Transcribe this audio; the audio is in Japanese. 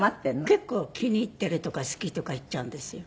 結構気に入っているとか好きとか言っちゃうんですよ。